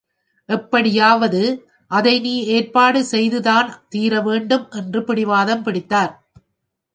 எப்படியாவது அதை நீ ஏற்பாடு செய்துதான் தீரவேண்டும் என்று பிடிவாதம் பிடித்தார்.